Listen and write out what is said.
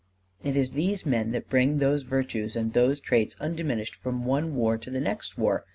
It is these men that bring those virtues and those traits undiminished from one war to the next war.